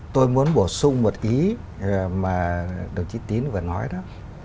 tôi muốn bổ sung một ý mà đồng chí tín vừa nói đó